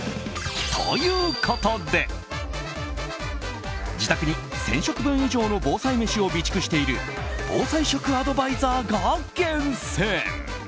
ということで自宅に１０００食分以上の防災メシを備蓄している防災食アドバイザーが厳選。